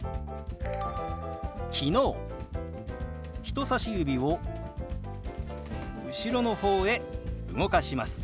人さし指を後ろの方へ動かします。